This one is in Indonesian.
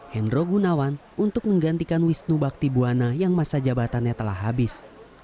hendro gunawan untuk menggantikan wisnu bakti buwana yang masa jabatannya telah habis